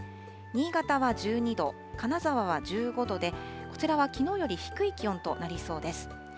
新潟は１２度、金沢は１５度で、こちらはきのうより低い気温となりそうです。